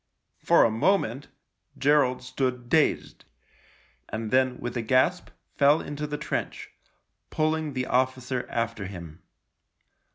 For a moment Gerald stood dazed, and then with a gasp fell into the trench, pulling the officer after him.